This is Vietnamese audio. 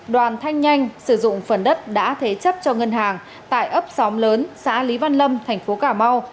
đoàn thanh nhanh sử dụng phần đất đã thế chấp cho ngân hàng tại ấp xóm lớn xã lý văn lâm thành phố cà mau